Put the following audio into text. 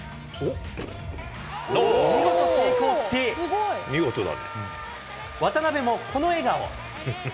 見事成功し、渡邊もこの笑顔。